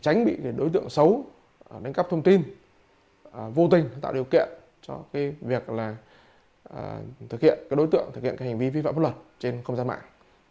tránh bị đối tượng xấu đánh cắp thông tin vô tình tạo điều kiện cho việc thực hiện hành vi vi pháp luật trên không gian mạng